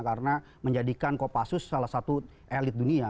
karena menjadikan kopassus salah satu elit dunia